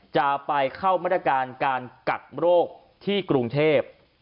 จะไปเข้ามาตรการการกักโรคที่กรุงเทพ